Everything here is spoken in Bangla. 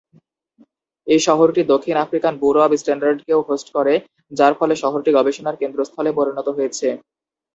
এই শহরটি "দক্ষিণ আফ্রিকান ব্যুরো অব স্ট্যান্ডার্ড" কেও হোস্ট করে, যার ফলে শহরটি গবেষণার কেন্দ্রস্থলে পরিণত হয়েছে।